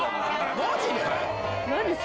マジで？